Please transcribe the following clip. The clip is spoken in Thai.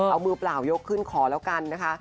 เอามือเปล่ายกขึ้นขอแล้วกันนะคะ